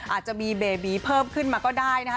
อาจจะมีเบบีเพิ่มขึ้นมาก็ได้นะคะ